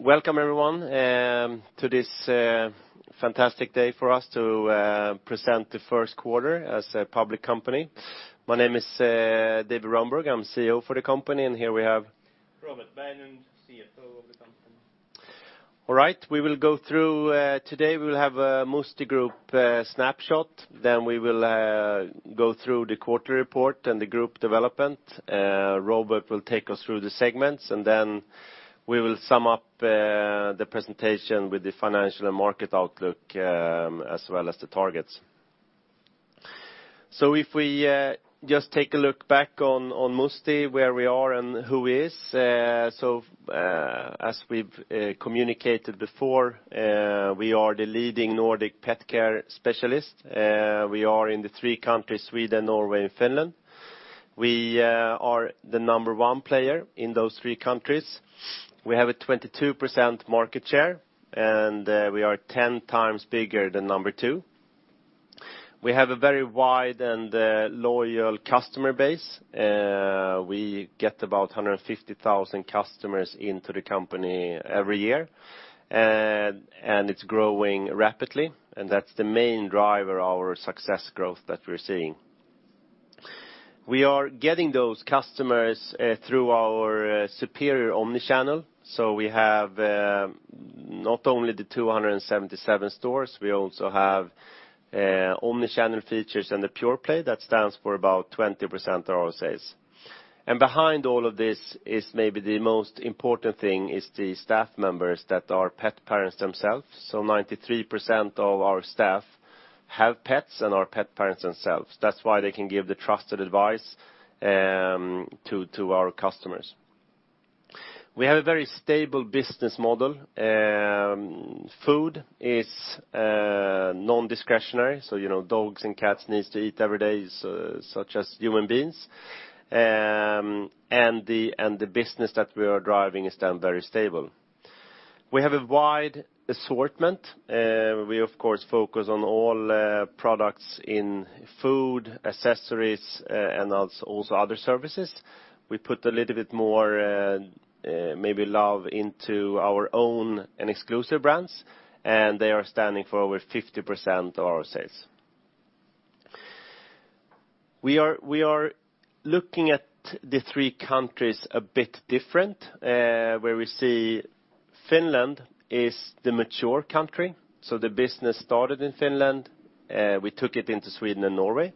Welcome, everyone, to this fantastic day for us to present the first quarter as a public company. My name is David Rönnberg. I'm CEO for the company, and here we have. Robert Berglund, CFO of the company. All right. Today we will have a Musti Group snapshot, then we will go through the quarter report and the group development. Robert will take us through the segments, and then we will sum up the presentation with the financial and market outlook as well as the targets. So if we just take a look back on Musti, where we are and who we are. So as we've communicated before, we are the leading Nordic pet care specialist. We are in the three countries: Sweden, Norway, and Finland. We are the number one player in those three countries. We have a 22% market share, and we are 10 times bigger than number two. We have a very wide and loyal customer base. We get about 150,000 customers into the company every year, and it's growing rapidly, and that's the main driver of our success growth that we're seeing. We are getting those customers through our superior omnichannel, so we have not only the 277 stores, we also have omnichannel features and the pure play. That stands for about 20% of our sales, and behind all of this is maybe the most important thing: the staff members that are pet parents themselves, so 93% of our staff have pets and are pet parents themselves. That's why they can give the trusted advice to our customers. We have a very stable business model. Food is non-discretionary, so dogs and cats need to eat every day, such as human beings, and the business that we are driving is then very stable. We have a wide assortment. We, of course, focus on all products in food, accessories, and also other services. We put a little bit more maybe love into our own and exclusive brands, and they are standing for over 50% of our sales. We are looking at the three countries a bit different, where we see Finland is the mature country, so the business started in Finland. We took it into Sweden and Norway.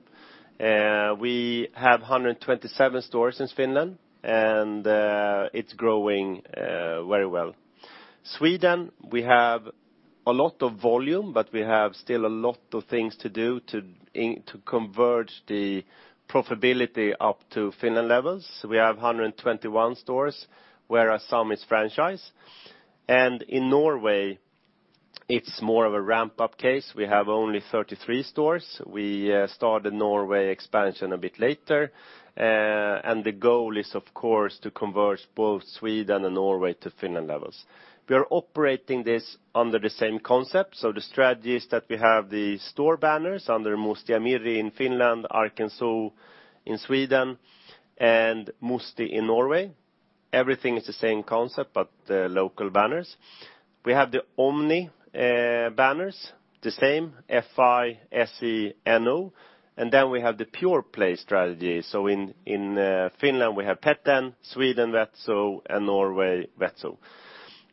We have 127 stores in Finland, and it's growing very well. Sweden, we have a lot of volume, but we have still a lot of things to do to converge the profitability up to Finland levels. We have 121 stores, whereas some is franchise, and in Norway, it's more of a ramp-up case. We have only 33 stores. We started Norway expansion a bit later, and the goal is, of course, to converge both Sweden and Norway to Finland levels. We are operating this under the same concept. The strategy is that we have the store banners under Musti ja Mirri in Finland, Arken Zoo in Sweden, and Musti in Norway. Everything is the same concept, but the local banners. We have the omni banners, the same FI, SE, NO. And then we have the pure play strategy. So in Finland, we have Peten, Sweden VetZoo, and Norway VetZoo.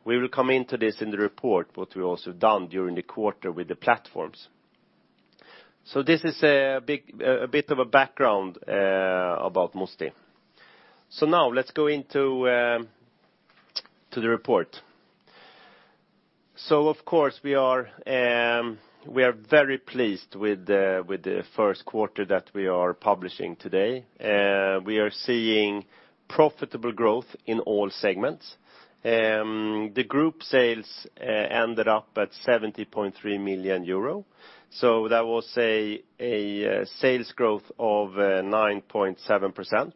We will come into this in the report, what we also done during the quarter with the platforms. So this is a bit of a background about Musti. So now let's go into the report. So, of course, we are very pleased with the first quarter that we are publishing today. We are seeing profitable growth in all segments. The group sales ended up at 70.3 million euro. So that was a sales growth of 9.7%.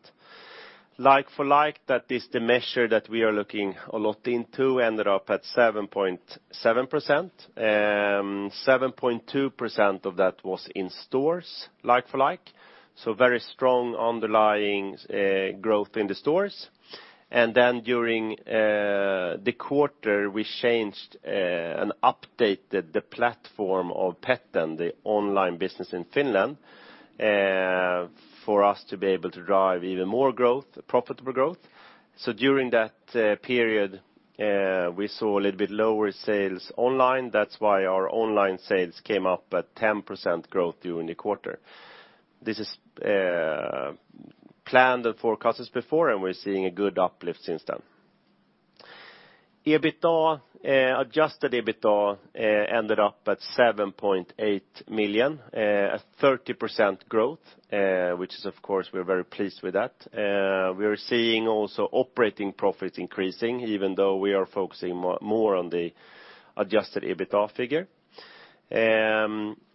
Like-for-like, that is the measure that we are looking a lot into, ended up at 7.7%. 7.2% of that was in stores, like-for-like. So very strong underlying growth in the stores. And then during the quarter, we changed and updated the platform of Peten, the online business in Finland, for us to be able to drive even more growth, profitable growth. So during that period, we saw a little bit lower sales online. That's why our online sales came up at 10% growth during the quarter. This is planned and forecasted before, and we're seeing a good uplift since then. EBITDA, adjusted EBITDA, ended up at 7.8 million, a 30% growth, which is, of course, we're very pleased with that. We are seeing also operating profits increasing, even though we are focusing more on the adjusted EBITDA figure.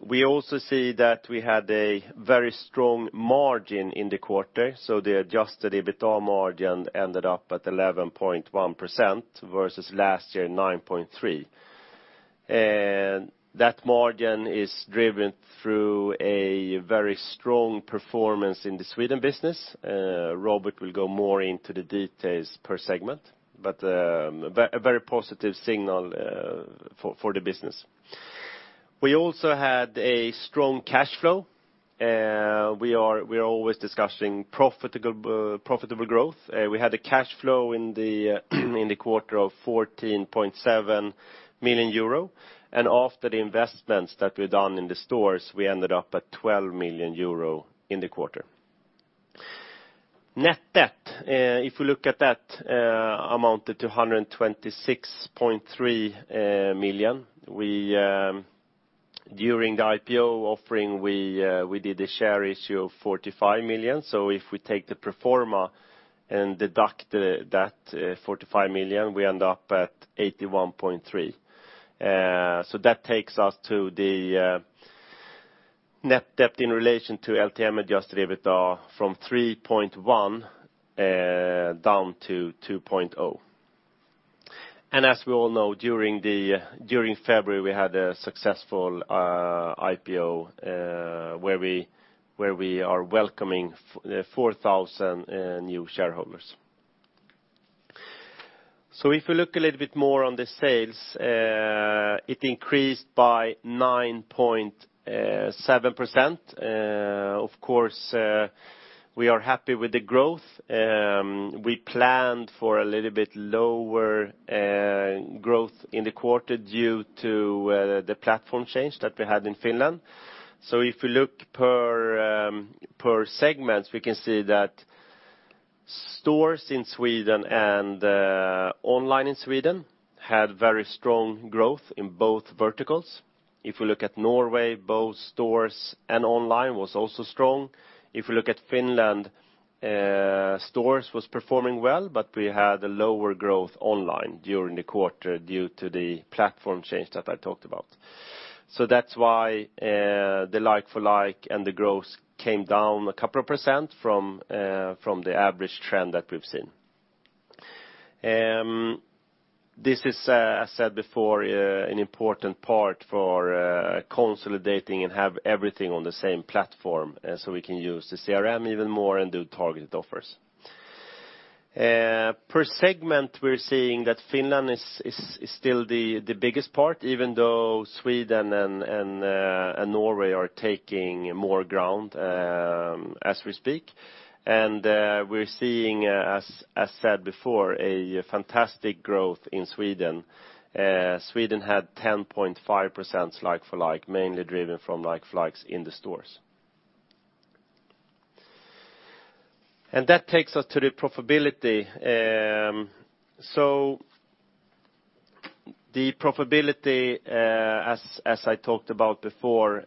We also see that we had a very strong margin in the quarter. So the adjusted EBITDA margin ended up at 11.1% versus last year 9.3%. That margin is driven through a very strong performance in the Sweden business. Robert will go more into the details per segment, but a very positive signal for the business. We also had a strong cash flow. We are always discussing profitable growth. We had a cash flow in the quarter of 14.7 million euro. And after the investments that we've done in the stores, we ended up at 12 million euro in the quarter. Net debt, if we look at that, amounted to 126.3 million. During the IPO offering, we did a share issue of 45 million. So if we take the pro forma and deduct that 45 million, we end up at 81.3. So that takes us to the net debt in relation to LTM Adjusted EBITDA from 3.1 down to 2.0. And as we all know, during February, we had a successful IPO where we are welcoming 4,000 new shareholders. So if we look a little bit more on the sales, it increased by 9.7%. Of course, we are happy with the growth. We planned for a little bit lower growth in the quarter due to the platform change that we had in Finland. So if we look per segments, we can see that stores in Sweden and online in Sweden had very strong growth in both verticals. If we look at Norway, both stores and online was also strong. If we look at Finland, stores was performing well, but we had a lower growth online during the quarter due to the platform change that I talked about. That's why the like-for-like and the growth came down a couple of % from the average trend that we've seen. This is, as I said before, an important part for consolidating and have everything on the same platform so we can use the CRM even more and do targeted offers. Per segment, we're seeing that Finland is still the biggest part, even though Sweden and Norway are taking more ground as we speak. We're seeing, as said before, a fantastic growth in Sweden. Sweden had 10.5% like-for-like, mainly driven from like-for-likes in the stores. That takes us to the profitability. The profitability, as I talked about before,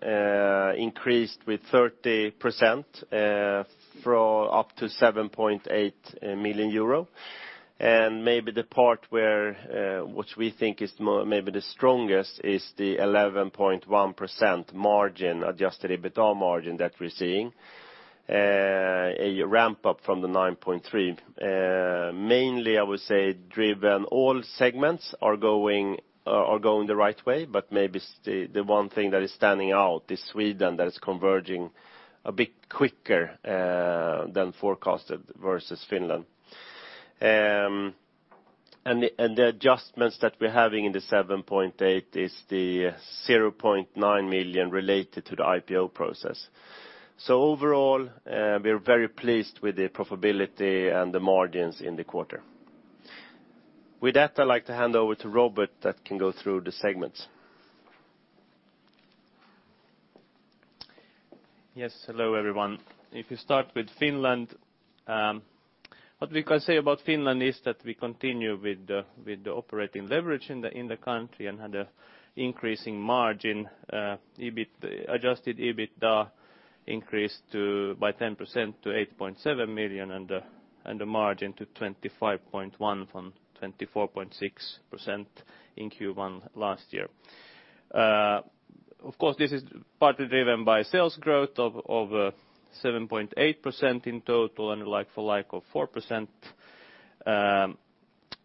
increased with 30% up to 7.8 million euro. Maybe the part where which we think is maybe the strongest is the 11.1% margin, adjusted EBITDA margin that we're seeing, a ramp-up from the 9.3%. Mainly, I would say, driven all segments are going the right way, but maybe the one thing that is standing out is Sweden that is converging a bit quicker than forecasted versus Finland. And the adjustments that we're having in the 7.8 is the 0.9 million related to the IPO process. So overall, we're very pleased with the profitability and the margins in the quarter. With that, I'd like to hand over to Robert that can go through the segments. Yes, hello everyone. If you start with Finland, what we can say about Finland is that we continue with the operating leverage in the country and had an increasing margin. Adjusted EBITDA increased by 10% to 8.7 million and the margin to 25.1% from 24.6% in Q1 last year. Of course, this is partly driven by sales growth of 7.8% in total and like-for-like of 4%,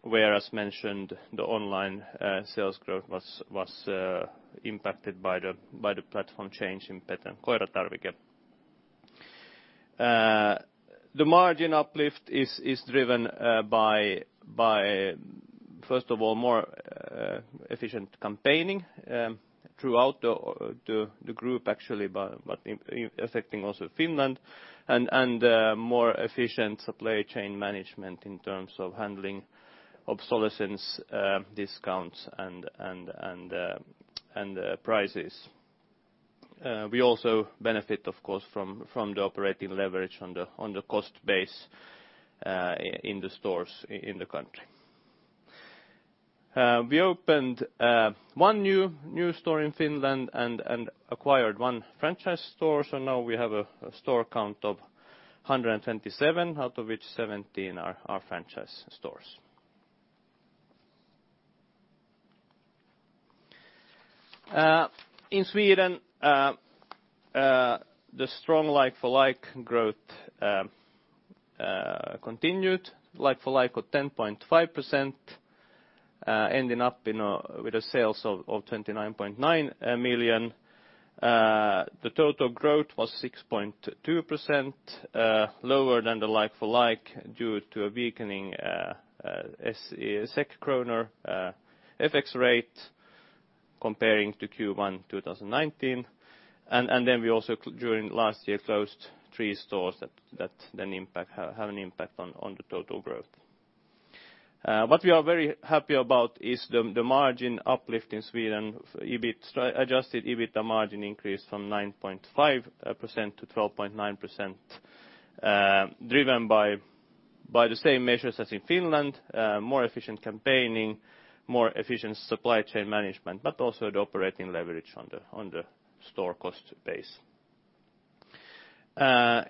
where, as mentioned, the online sales growth was impacted by the platform change in Peten Koiratarvike. The margin uplift is driven by, first of all, more efficient campaigning throughout the group, actually, but affecting also Finland and more efficient supply chain management in terms of handling obsolescence, discounts, and prices. We also benefit, of course, from the operating leverage on the cost base in the stores in the country. We opened one new store in Finland and acquired one franchise store. So now we have a store count of 127, out of which 17 are franchise stores. In Sweden, the strong like-for-like growth continued. like-for-like of 10.5%, ending up with sales of 29.9 million. The total growth was 6.2%, lower than the like-for-like due to a weakening SEK kronor FX rate comparing to Q1 2019. And then we also, during last year, closed three stores that then have an impact on the total growth. What we are very happy about is the margin uplift in Sweden. Adjusted EBITDA margin increased from 9.5% to 12.9%, driven by the same measures as in Finland: more efficient campaigning, more efficient supply chain management, but also the operating leverage on the store cost base.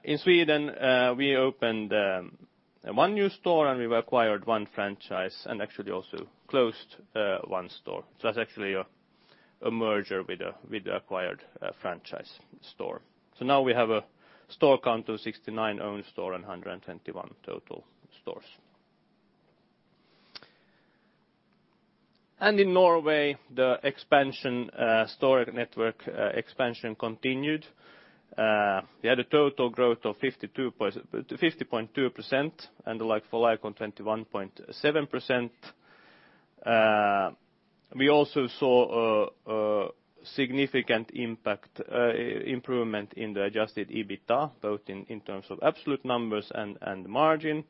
In Sweden, we opened one new store and we acquired one franchise and actually also closed one store. So that's actually a merger with the acquired franchise store. So now we have a store count of 69 owned stores and 121 total stores. And in Norway, the store network expansion continued. We had a total growth of 50.2% and like-for-like on 21.7%. We also saw a significant improvement in the Adjusted EBITDA, both in terms of absolute numbers and margin.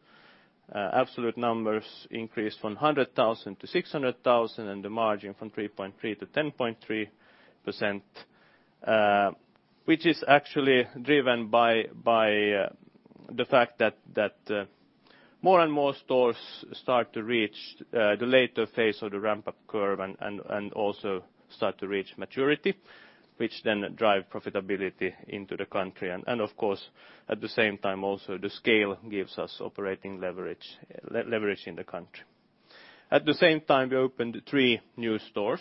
Absolute numbers increased from 100,000-600,000 and the margin from 3.3% to 10.3%, which is actually driven by the fact that more and more stores start to reach the later phase of the ramp-up curve and also start to reach maturity, which then drives profitability into the country. And of course, at the same time, also the scale gives us operating leverage in the country. At the same time, we opened three new stores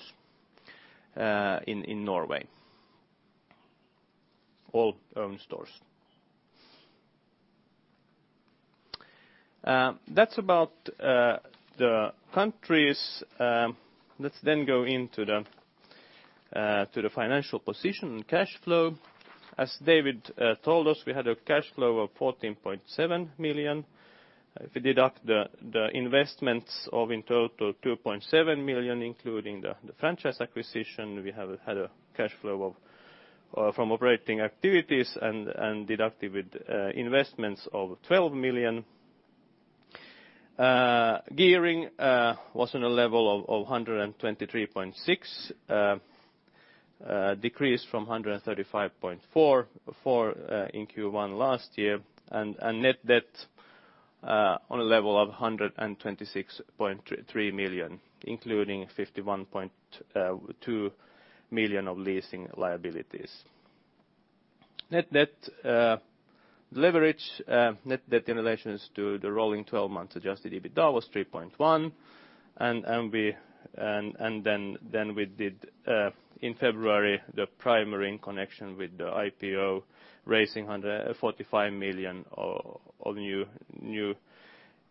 in Norway, all owned stores. That's about the countries. Let's then go into the financial position and cash flow. As David told us, we had a cash flow of 14.7 million. If we deduct the investments of in total 2.7 million, including the franchise acquisition, we have had a cash flow from operating activities and deducted with investments of 12 million. Gearing was on a level of 123.6, decreased from 135.4 in Q1 last year, and net debt on a level of 126.3 million, including 51.2 million of leasing liabilities. Net debt leverage, net debt in relation to the rolling 12-month Adjusted EBITDA was 3.1, and then we did, in February, the primary in connection with the IPO, raising 45 million of new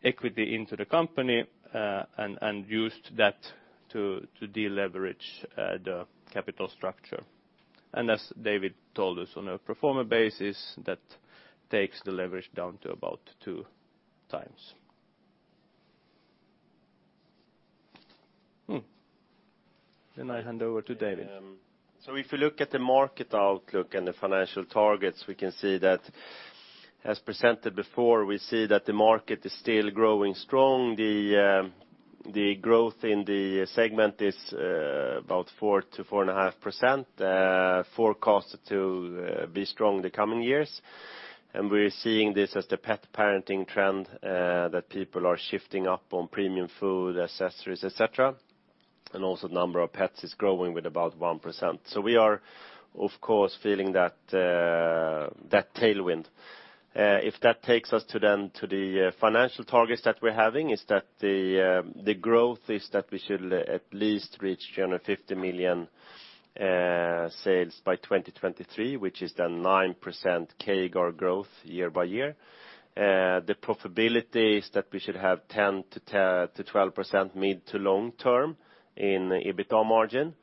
equity into the company and used that to deleverage the capital structure. And as David told us, on a pro forma basis, that takes the leverage down to about two times, then I hand over to David. If you look at the market outlook and the financial targets, we can see that, as presented before, we see that the market is still growing strong. The growth in the segment is about 4-4.5%, forecasted to be strong in the coming years. We're seeing this as the pet parenting trend that people are shifting up on premium food, accessories, etc. Also the number of pets is growing with about 1%. We are, of course, feeling that tailwind. That takes us to the financial targets that we're having. The growth is that we should at least reach 350 million sales by 2023, which is then 9% CAGR growth year by year. The profitability is that we should have 10-12% mid- to long-term in EBITDA margin.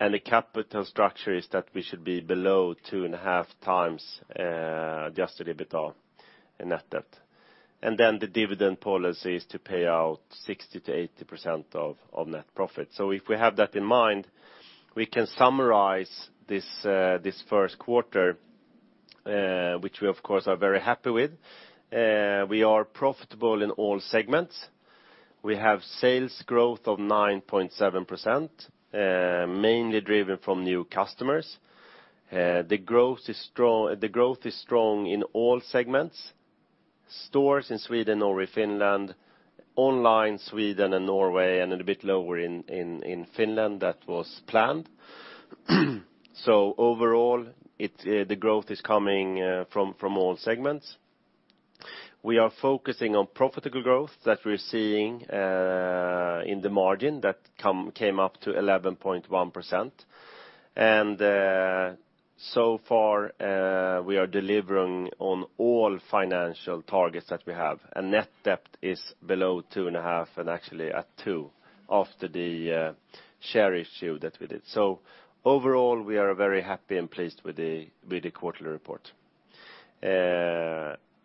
The capital structure is that we should be below 2.5 times Adjusted EBITDA netted. And then the dividend policy is to pay out 60%-80% of net profit. So if we have that in mind, we can summarize this first quarter, which we, of course, are very happy with. We are profitable in all segments. We have sales growth of 9.7%, mainly driven from new customers. The growth is strong in all segments: stores in Sweden, Norway, Finland, online Sweden and Norway, and a bit lower in Finland that was planned. So overall, the growth is coming from all segments. We are focusing on profitable growth that we're seeing in the margin that came up to 11.1%. And so far, we are delivering on all financial targets that we have. And net debt is below 2.5 and actually at 2 after the share issue that we did. So overall, we are very happy and pleased with the quarterly report.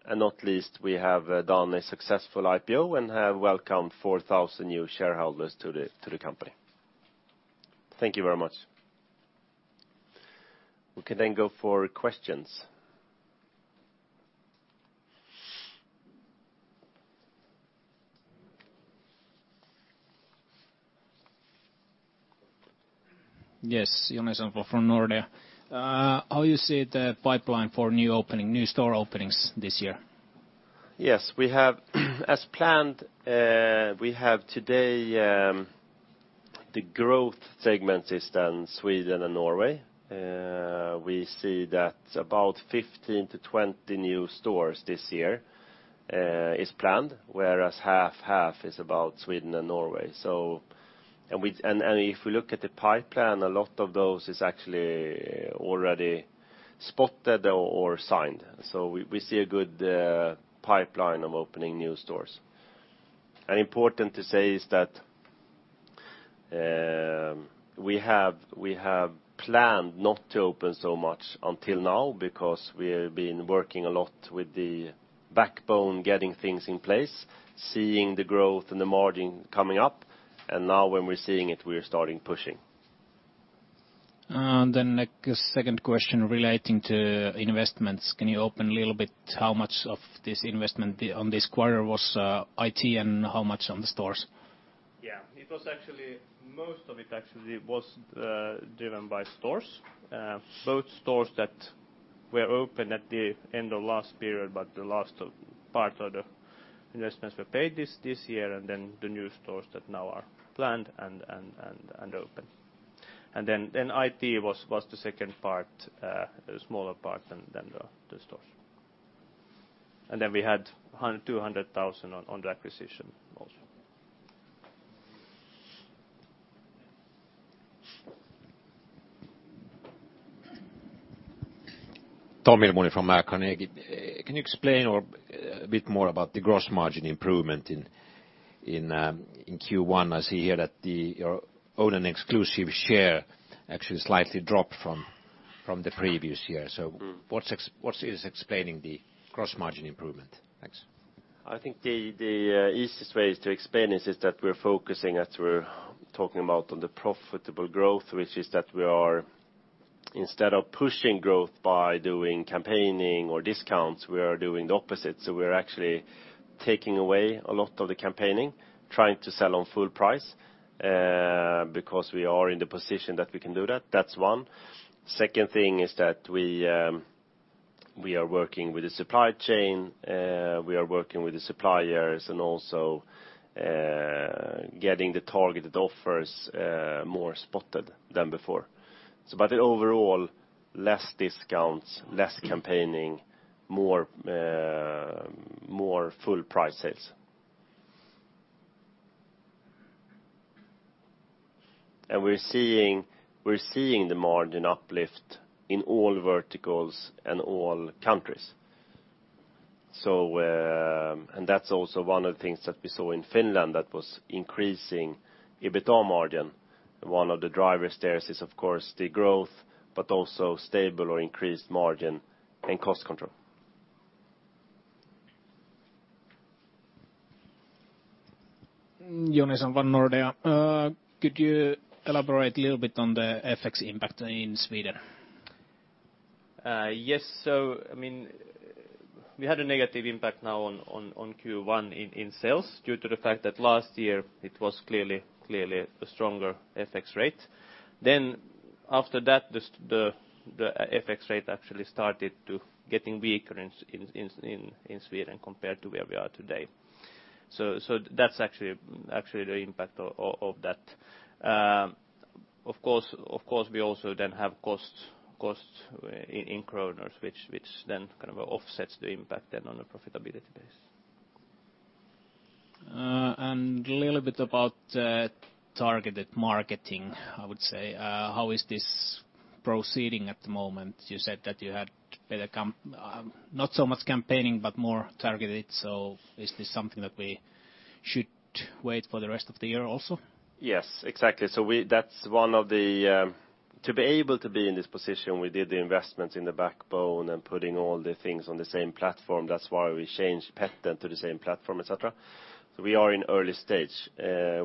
And not least, we have done a successful IPO and have welcomed 4,000 new shareholders to the company. Thank you very much. We can then go for questions. Yes, Jonas from Nordea. How do you see the pipeline for new store openings this year? Yes. As planned, we have today the growth segment is then Sweden and Norway. We see that about 15-20 new stores this year is planned, whereas half-half is about Sweden and Norway. And if we look at the pipeline, a lot of those is actually already spotted or signed. So we see a good pipeline of opening new stores. And important to say is that we have planned not to open so much until now because we have been working a lot with the backbone, getting things in place, seeing the growth and the margin coming up. And now when we're seeing it, we're starting pushing. And then the second question relating to investments. Can you open a little bit how much of this investment on this quarter was IT and how much on the stores? Yeah. Most of it actually was driven by stores. Both stores that were opened at the end of last period, but the last part of the investments were paid this year, and then the new stores that now are planned and open. And then IT was the second part, a smaller part than the stores. And then we had 200,000 on the acquisition also. Tom Ilmoni from Carnegie. Can you explain a bit more about the gross margin improvement in Q1? I see here that your own and exclusive share actually slightly dropped from the previous year. So what is explaining the gross margin improvement? Thanks. I think the easiest way to explain this is that we're focusing, as we're talking about, on the profitable growth, which is that we are, instead of pushing growth by doing campaigning or discounts, we are doing the opposite. So we're actually taking away a lot of the campaigning, trying to sell on full price because we are in the position that we can do that. That's one. Second thing is that we are working with the supply chain. We are working with the suppliers and also getting the targeted offers more spotted than before. But overall, less discounts, less campaigning, more full price sales. And we're seeing the margin uplift in all verticals and all countries. And that's also one of the things that we saw in Finland that was increasing EBITDA margin. One of the drivers there is, of course, the growth, but also stable or increased margin and cost control. Jonas from Nordea. Could you elaborate a little bit on the FX impact in Sweden? Yes, so we had a negative impact now on Q1 in sales due to the fact that last year it was clearly a stronger FX rate, then after that, the FX rate actually started getting weaker in Sweden compared to where we are today, so that's actually the impact of that. Of course, we also then have costs in kronor, which then kind of offsets the impact on the profitability base. A little bit about targeted marketing, I would say. How is this proceeding at the moment? You said that you had not so much campaigning, but more targeted. Is this something that we should wait for the rest of the year also? Yes, exactly. So that's one of the to be able to be in this position, we did the investments in the backbone and putting all the things on the same platform. That's why we changed Peten to the same platform, etc. So we are in early stage.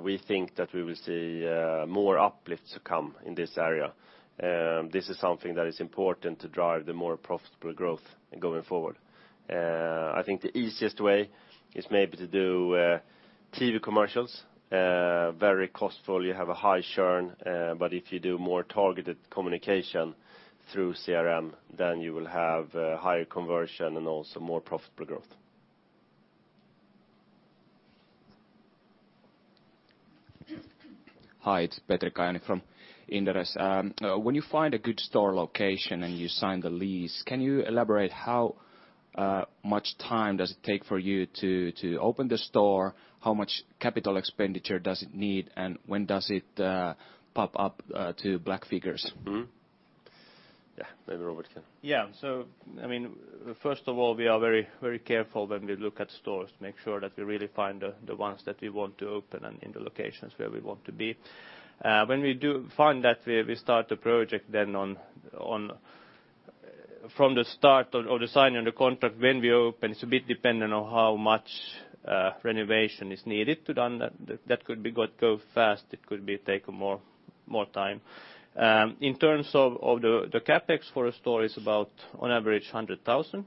We think that we will see more uplift to come in this area. This is something that is important to drive the more profitable growth going forward. I think the easiest way is maybe to do TV commercials. Very costly. You have a high churn. But if you do more targeted communication through CRM, then you will have higher conversion and also more profitable growth. Hi, it's Petri Kajaani from Inderes. When you find a good store location and you sign the lease, can you elaborate how much time does it take for you to open the store? How much capital expenditure does it need? And when does it pop up to black figures? Yeah, maybe Robert can. Yeah. So first of all, we are very careful when we look at stores to make sure that we really find the ones that we want to open and in the locations where we want to be. When we do find that, we start the project then from the start of designing the contract when we open. It's a bit dependent on how much renovation is needed to run that. That could go fast. It could take more time. In terms of the CapEx for a store, it's about, on average, 100,000.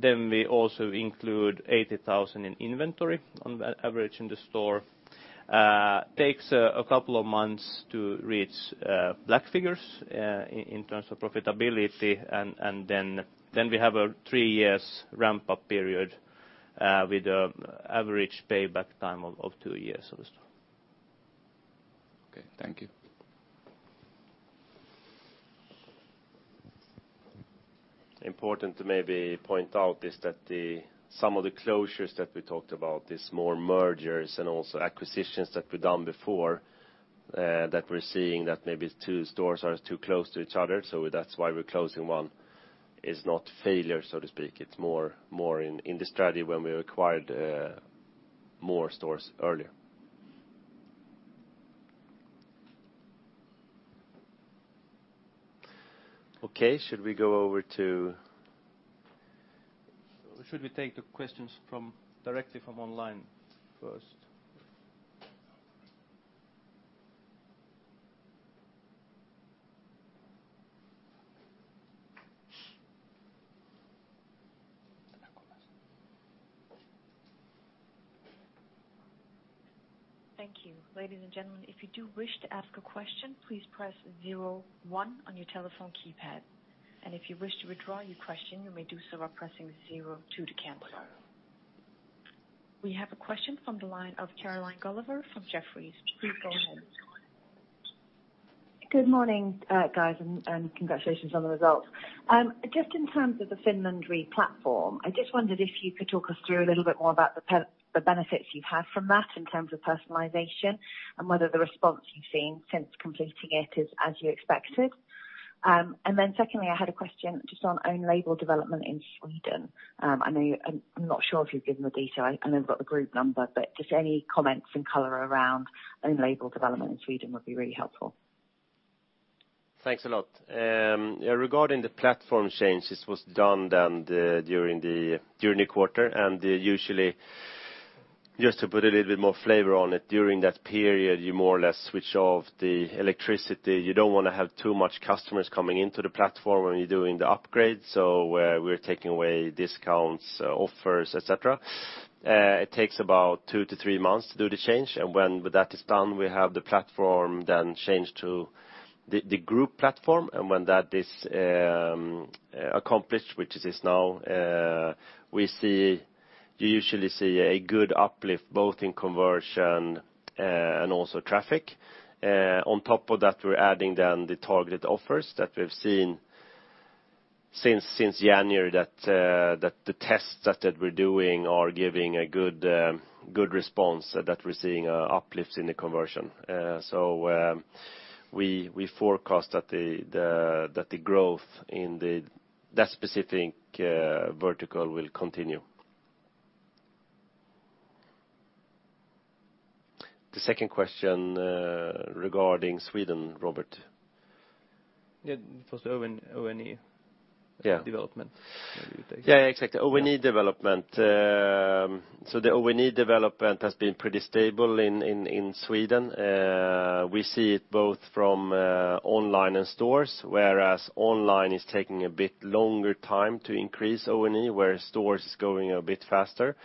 Then we also include 80,000 in inventory on average in the store. It takes a couple of months to reach black figures in terms of profitability. And then we have a three-year ramp-up period with an average payback time of two years of the store. Okay, thank you. Important to maybe point out is that some of the closures that we talked about, these more mergers and also acquisitions that we've done before, that we're seeing that maybe two stores are too close to each other. So that's why we're closing one is not failure, so to speak. It's more in the strategy when we acquired more stores earlier. Okay, should we go over to- Should we take the questions directly from online first? Thank you. Ladies and gentlemen, if you do wish to ask a question, please press 01 on your telephone keypad. And if you wish to withdraw your question, you may do so by pressing 02 to cancel. We have a question from the line of Caroline Gulliver from Jefferies. Please go ahead. Good morning, guys, and congratulations on the results. Just in terms of the Finland re-platform, I just wondered if you could talk us through a little bit more about the benefits you've had from that in terms of personalization and whether the response you've seen since completing it is as you expected. And then secondly, I had a question just on own-label development in Sweden. I'm not sure if you've given the detail. I know we've got the group number, but just any comments and color around own-label development in Sweden would be really helpful. Thanks a lot. Regarding the platform change, this was done then during the quarter. And usually, just to put a little bit more flavor on it, during that period, you more or less switch off the electricity. You don't want to have too much customers coming into the platform when you're doing the upgrade. So we're taking away discounts, offers, etc. It takes about two to three months to do the change. And when that is done, we have the platform then changed to the group platform. And when that is accomplished, which it is now, we usually see a good uplift both in conversion and also traffic. On top of that, we're adding then the targeted offers that we've seen since January, that the tests that we're doing are giving a good response and that we're seeing uplifts in the conversion. We forecast that the growth in that specific vertical will continue. The second question regarding Sweden, Robert. Yeah, for the O&E development. Yeah, exactly. O&E development. So the O&E development has been pretty stable in Sweden. We see it both from online and stores, whereas online is taking a bit longer time to increase O&E, whereas stores is going a bit faster.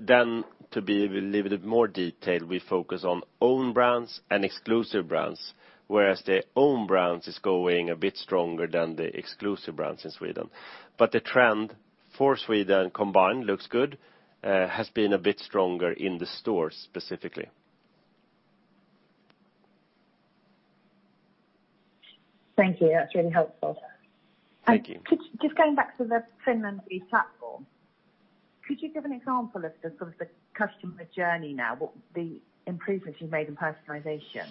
Then, to be a little bit more detailed, we focus on own brands and exclusive brands, whereas the own brands is going a bit stronger than the exclusive brands in Sweden. But the trend for Sweden combined looks good, has been a bit stronger in the stores specifically. Thank you. That's really helpful. Thank you. Just going back to the Finland re-platform, could you give an example of the customer journey now, the improvements you've made in personalization?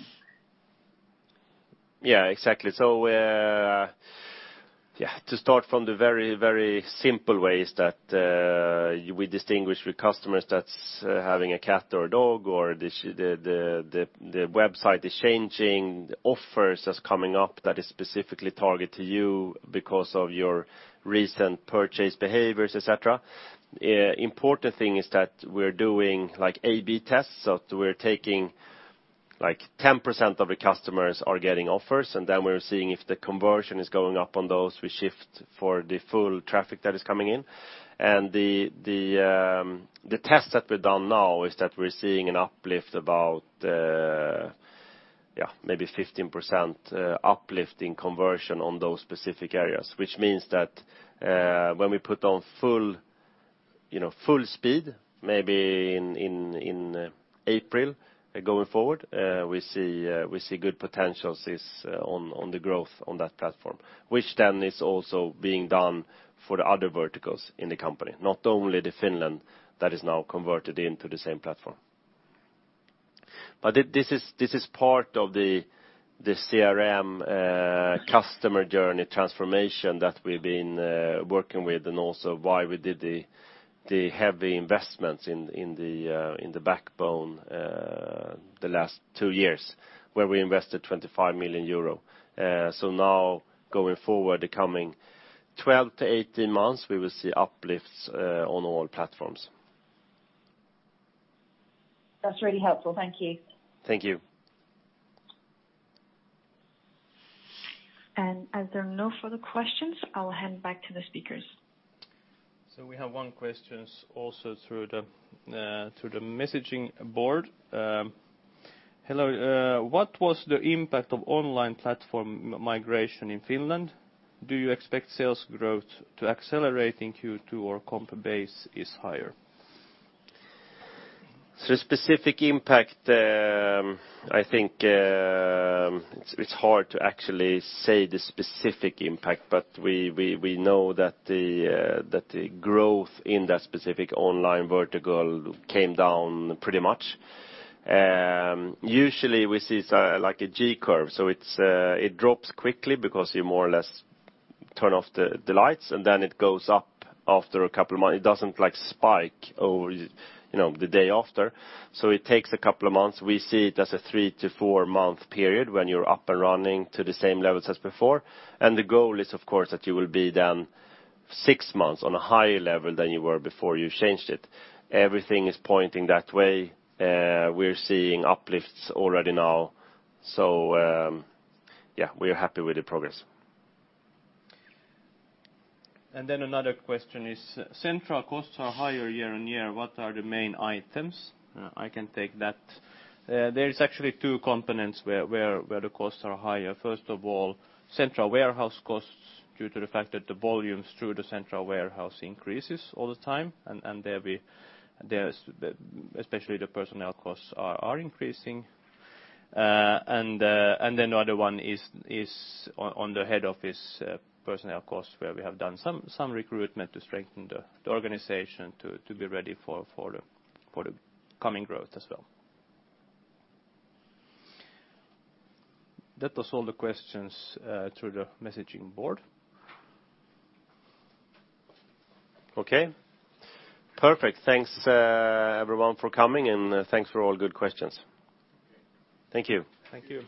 Yeah, exactly. So to start from the very, very simple ways that we distinguish with customers that's having a cat or a dog, or the website is changing, offers are coming up that is specifically targeted to you because of your recent purchase behaviors, etc. The important thing is that we're doing A/B tests. So we're taking 10% of the customers are getting offers, and then we're seeing if the conversion is going up on those. We shift for the full traffic that is coming in. The tests that we've done now is that we're seeing an uplift about maybe 15% uplift in conversion on those specific areas, which means that when we put on full speed, maybe in April going forward, we see good potentials on the growth on that platform, which then is also being done for the other verticals in the company, not only the Finland that is now converted into the same platform. This is part of the CRM customer journey transformation that we've been working with and also why we did the heavy investments in the backbone the last two years, where we invested 25 million euro. Now going forward, the coming 12-18 months, we will see uplifts on all platforms. That's really helpful. Thank you. Thank you. As there are no further questions, I'll hand back to the speakers. So we have one question also through the messaging board. Hello. What was the impact of online platform migration in Finland? Do you expect sales growth to accelerate in Q2 or compared base is higher? Specific impact, I think it's hard to actually say the specific impact, but we know that the growth in that specific online vertical came down pretty much. Usually, we see it's like a J curve. So it drops quickly because you more or less turn off the lights, and then it goes up after a couple of months. It doesn't spike the day after. So it takes a couple of months. We see it as a three- to four-month period when you're up and running to the same levels as before. And the goal is, of course, that you will be then six months on a higher level than you were before you changed it. Everything is pointing that way. We're seeing uplifts already now. So yeah, we are happy with the progress. And then another question is, central costs are higher year on year. What are the main items? I can take that. There's actually two components where the costs are higher. First of all, central warehouse costs due to the fact that the volumes through the central warehouse increases all the time. And there, especially the personnel costs, are increasing. And then the other one is on the head office personnel costs, where we have done some recruitment to strengthen the organization to be ready for the coming growth as well. That was all the questions through the message board. Okay. Perfect. Thanks, everyone, for coming, and thanks for all good questions. Thank you. Thank you.